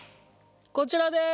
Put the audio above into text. こちらです。